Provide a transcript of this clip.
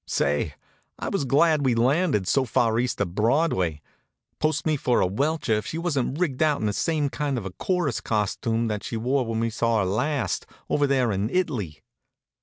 Say, I was glad we'd landed so far east of Broadway. Post me for a welcher if she wasn't rigged out in the same kind of a chorus costume that she wore when we saw her last, over there in It'ly!